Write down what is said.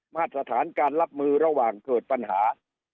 มาตรฐานการรับมือระหว่างเกิดปัญหา